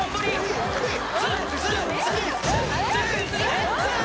・えっ？